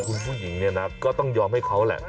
คุณผู้หญิงเนี่ยนะก็ต้องยอมให้เขาแหละ